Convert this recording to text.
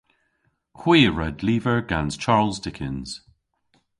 Hwi a red lyver gans Charles Dickens.